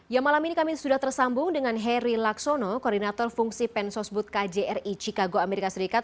ya malam ini kami sudah tersambung dengan heri laksono koordinator fungsi pensosbud kjri chicago amerika serikat